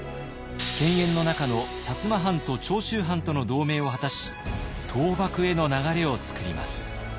犬猿の仲の摩藩と長州藩との同盟を果たし倒幕への流れをつくります。